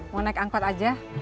mau naik angkot aja